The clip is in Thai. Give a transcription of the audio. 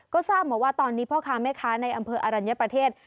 ก็ทราบมาว่าตอนนี้พ่อค้าแม่ค้าในอำเภออรัญญประเทศ